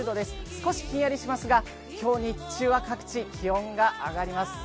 少しひんやりしますが今日日中は各地気温が上がります。